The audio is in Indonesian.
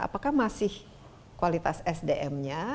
apakah masih kualitas sdm nya